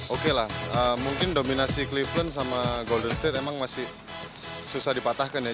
oke lah mungkin dominasi cliven sama golden state emang masih susah dipatahkan ya